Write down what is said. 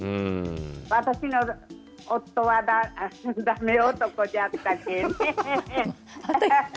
私の夫はだめ男じゃったけんね。